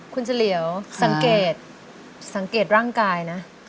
คุณเฉลียวสังเกตสังเกตร่างกายนะ